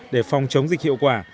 để phòng chống dịch hiệu quả